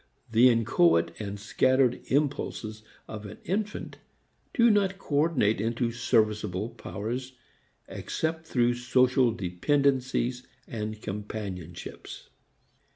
The inchoate and scattered impulses of an infant do not coordinate into serviceable powers except through social dependencies and companionships.